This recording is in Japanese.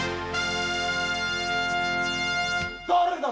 誰だ？